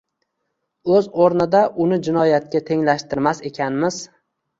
o‘z o‘rnida uni jinoyatga tenglashtirmas ekanmiz